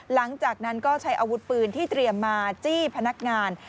หลังจากนั้นก็ใช้อาวุธปืนที่เตรียมมาจี้พนักงาน